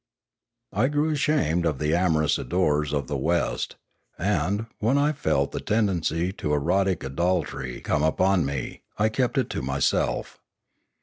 I grew ashamed of the amorous ardours of the West, and, when I felt the tendency to erotic idolatry come upon me, I kept it to myself.